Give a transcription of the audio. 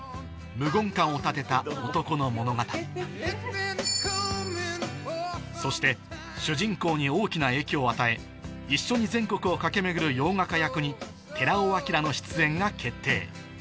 「無言館」を建てた男の物語そして主人公に大きな影響を与え一緒に全国を駆け巡る洋画家役に寺尾の出演が決定